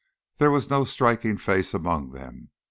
There was no striking face among them.